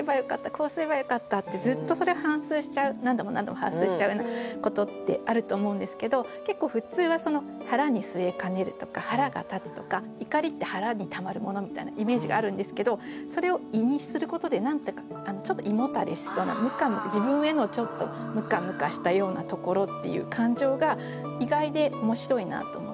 「こうすればよかった」ってずっとそれを反芻しちゃう何度も何度も反芻しちゃうようなことってあると思うんですけど結構普通は「腹に据えかねる」とか「腹が立つ」とか怒りって腹に溜まるものみたいなイメージがあるんですけどそれを「胃」にすることで何て言うかちょっと胃もたれしそうな自分へのちょっとムカムカしたようなところっていう感情が意外で面白いなと思って。